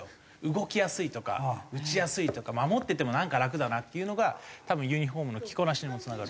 動きやすいとか打ちやすいとか守っててもなんか楽だなっていうのが多分ユニホームの着こなしにもつながる。